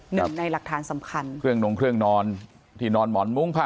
หนึ่งในหลักฐานสำคัญเครื่องนงเครื่องนอนที่นอนหมอนมุ้งผ้า